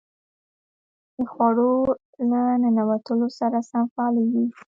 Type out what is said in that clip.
د خوړو له ننوتلو سره سم فعالېږي.